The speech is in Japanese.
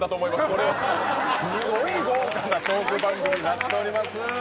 これは、すごい豪華なトーク番組になっております。